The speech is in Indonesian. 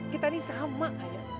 kita nih sama ayah